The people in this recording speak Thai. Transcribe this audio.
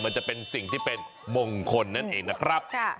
มันจะเป็นสิ่งที่เป็นมงคลนั่นเองนะครับ